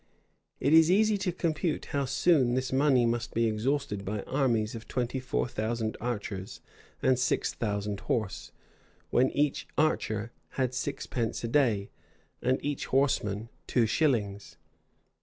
[] It is easy to compute how soon this money must be exhausted by armies of twenty four thousand archers and six thousand horse; when each archer had sixpence a day,[] and each horseman two shillings.